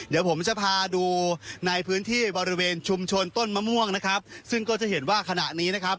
เดี๋ยวผมจะพาดูในพื้นที่บริเวณชุมชนต้นมะม่วงนะครับซึ่งก็จะเห็นว่าขณะนี้นะครับ